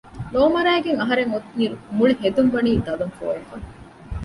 ލޯ މަރައިގެން އަހަރެން އޮތް އިރު މުޅި ހެދުން ވަނީ ދަލުން ފޯ ވެފަ